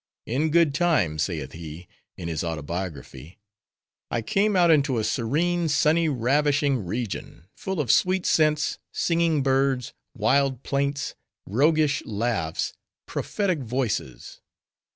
"In good time," saith he, in his autobiography, "I came out into a serene, sunny, ravishing region; full of sweet scents, singing birds, wild plaints, roguish laughs, prophetic voices.